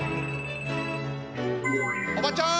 おばちゃん！